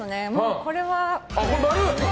これは○。